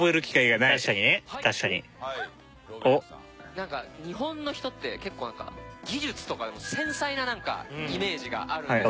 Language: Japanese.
なんか日本の人って結構技術とかでも繊細なイメージがあるんですよ。